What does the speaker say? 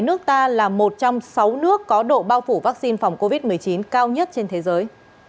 nước ta là một trong sáu nước có độ bao phủ vaccine phòng covid một mươi chín cao nhất trên thế giới